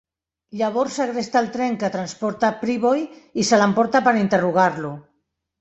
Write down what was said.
Llavors segresta el tren que transporta Priboi i se l'emporta per interrogar-lo.